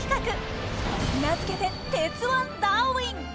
名付けて「鉄腕ダーウィン」！